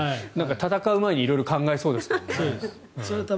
戦う前に色々考えそうですね。